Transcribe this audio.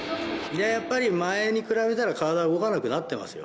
やっぱり前に比べたら体動かなくなってますよ。